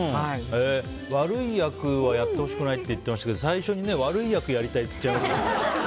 悪い役はやってほしくないって言ってましたけど、最初に悪い役やりたいって言っちゃいましたね。